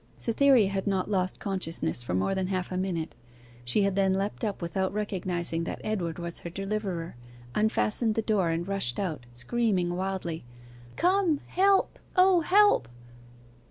Cytherea had not lost consciousness for more than half a minute. She had then leapt up without recognizing that Edward was her deliverer, unfastened the door, and rushed out, screaming wildly, 'Come! Help! O, help!